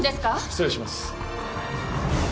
失礼します。